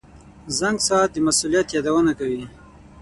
• زنګ ساعت د مسؤلیت یادونه کوي.